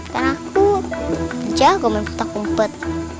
karena aku jago menempat kumpet